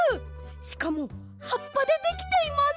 しかもはっぱでできています！